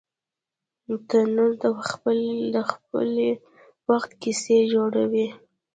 تنور د پخلي وخت کیسې جوړوي